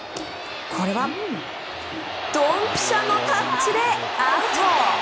ドンピシャのタッチでアウト！